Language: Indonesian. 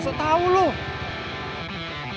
sok tau loh